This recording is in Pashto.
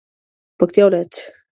پکتیکا ولایت